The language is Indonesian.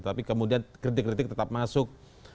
tapi kemudian kritik kritik tetap masuk